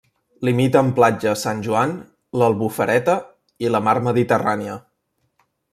Limita amb Platja Sant Joan, l'Albufereta i la mar Mediterrània.